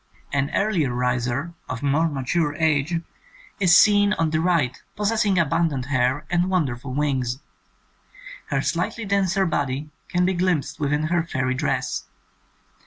An earlier riser of more mature age is seen on the right possessing abundant hair and won derful wings. Her slightly denser body can be glimpsed within her fairy dress.